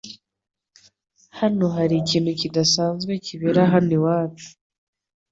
Hano hari ikintu kidasanzwe kibera hano iwacu